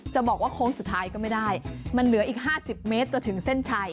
จะบอกว่าโค้งสุดท้ายก็ไม่ได้มันเหลืออีก๕๐เมตรจะถึงเส้นชัย